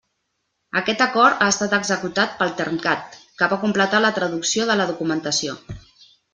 Aquest acord ha estat executat pel Termcat, que va completar la traducció de la documentació.